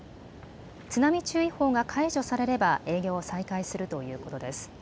津波注意報が解除されれば営業を再開するということです。